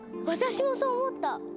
私もそう思った！